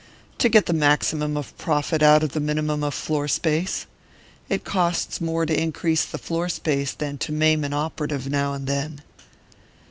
"To get the maximum of profit out of the minimum of floor space. It costs more to increase the floor space than to maim an operative now and then."